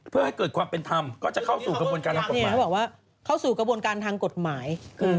เพื่อให้เกิดความเป็นธรรมก็จะเข้าสู่กระบวนการทางกฎหมาย